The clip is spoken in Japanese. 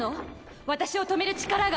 私を止める力が。